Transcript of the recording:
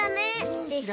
でしょ？